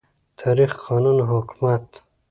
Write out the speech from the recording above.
تاریخ، قانون او حکومت